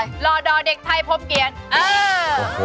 หล่อดอเด็กไทยพบเกียรติเออ